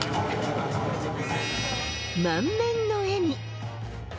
満面の笑み。